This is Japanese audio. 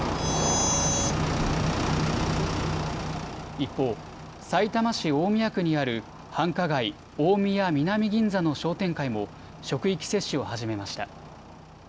一方、さいたま市大宮区にある繁華街、大宮南銀座の商店会も職域接種を始めました。